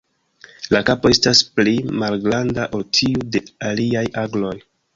La kapo estas pli malgranda ol tiu de aliaj agloj.